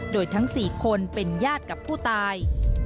โดยทั้ง๔คนเป็นญาติกับผู้ตาย